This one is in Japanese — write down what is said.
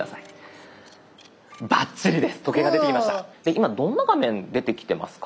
今どんな画面出てきてますか？